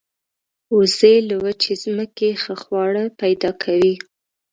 وزې له وچې ځمکې ښه خواړه پیدا کوي